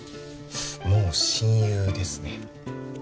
もう親友ですね